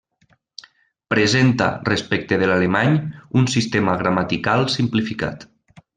Presenta respecte de l'alemany un sistema gramatical simplificat.